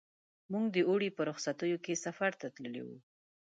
موږ د اوړي په رخصتیو کې سفر ته تللي وو.